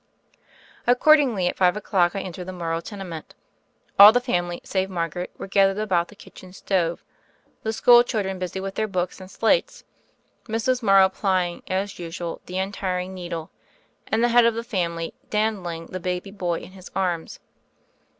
Accordingly at five o'clock I entered the Mor row tenement. All the family, save Margaret, were gathered about the kitchen stove, the school children busy with their books and slates^ Mrs. Morrow plying, as usual, the untiring needle, and the head of the family dandling the baby boy in his arms.